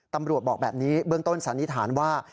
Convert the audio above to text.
บอกแบบนี้เบื้องต้นสันนิษฐานว่า